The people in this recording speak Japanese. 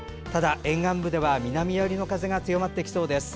ただ沿岸部では南寄りの風が強まってきそうです。